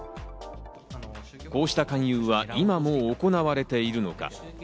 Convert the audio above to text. こうした勧誘は今も行われているのか？